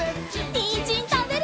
にんじんたべるよ！